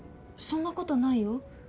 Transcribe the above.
そんなことないよ。